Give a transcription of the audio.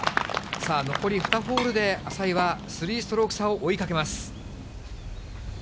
さあ、残り２ホールで、淺井は３ストローク差を追いかけます。